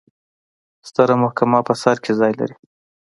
ستره محکمه په سر کې ځای لري.